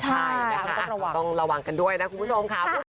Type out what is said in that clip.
ใช่นะคะต้องระวังกันด้วยนะคุณผู้ชมครับ